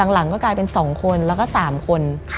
หลังก็กลายเป็น๒คนแล้วก็๓คน